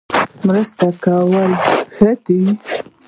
مرسته کول ښه دي